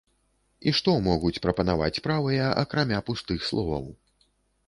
І што могуць прапанаваць правыя, акрамя пустых словаў?